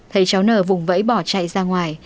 thấy cháu n vùng vẫy bỏ chạy ra ngoài